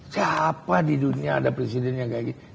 siapa di dunia ada presiden yang kayak gitu